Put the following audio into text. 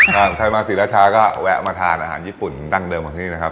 ใครมาศรีราชาก็แวะมาทานอาหารญี่ปุ่นดั้งเดิมของที่นี่นะครับ